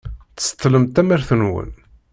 Tseṭṭlem tamart-nwen.